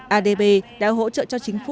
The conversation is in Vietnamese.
adb đã hỗ trợ cho chính phủ